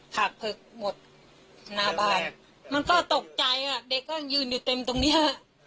หากเผือกหมดหน้าบ้านมันก็ตกใจอ่ะเด็กก็ยืนอยู่เต็มตรงเนี้ย